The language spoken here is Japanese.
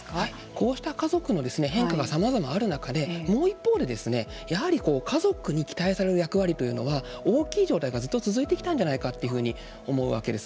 こうした家族の変化がさまざまある中でもう一方でやはり家族の役割というのは大きい状態がずっと続いてきたんじゃないかと思うわけです。